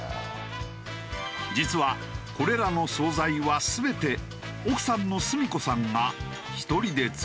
実はこれらの惣菜は全て奥さんの澄子さんが１人で作っている。